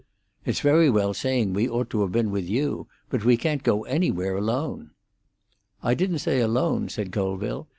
"It's very well saying we ought to have been with you; but we can't go anywhere alone." "I didn't say alone," said Colville.